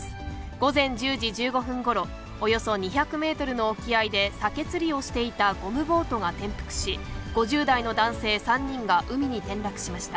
午前１０時１５分ごろ、およそ２００メートルの沖合で、サケ釣りをしていたゴムボートが転覆し、５０代の男性３人が海に転落しました。